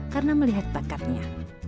karena melihat bakatnya